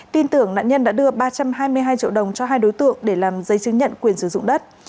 tin tưởng nạn nhân đã đưa ba trăm hai mươi hai triệu đồng cho hai đối tượng để làm giấy chứng nhận quyền sử dụng đất